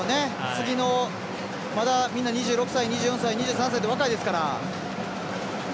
次の、みんな２６歳、２４歳、２３歳と若いですから。